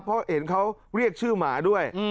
เพราะเห็นเขาเรียกชื่อหมาด้วย